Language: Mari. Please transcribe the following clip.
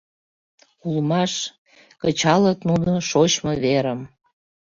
Улмаш: кычалыт нуно шочмо верым.